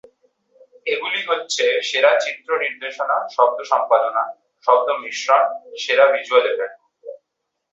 এগুলো হচ্ছে সেরা চিত্র নির্দেশনা, শব্দ সম্পাদনা, শব্দ মিশ্রণ, সেরা ভিজুয়াল ইফেক্ট।